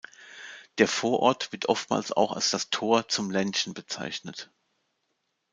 Der Vorort wird oftmals auch als „das Tor zum Ländchen“ bezeichnet.